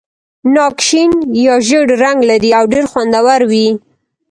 ناک شین یا ژېړ رنګ لري او ډېر خوندور وي.